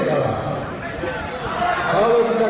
kita tidak boleh kalah